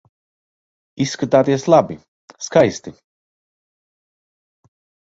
Izskatāties labi, skaisti.